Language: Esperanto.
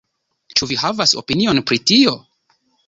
Ĉu vi havas opinion pri tio?